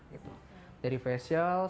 jadi facial sampai